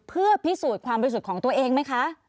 เพื่อพิสูจน์ความบริสุทธิ์ของตัวเองไหมคะ